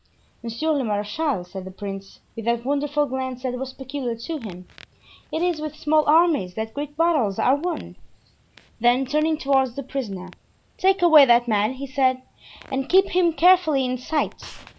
"Monsieur le marechal," said the prince, with that wonderful glance that was peculiar to him, "it is with small armies that great battles are won." Then turning toward the prisoner, "Take away that man," he said, "and keep him carefully in sight.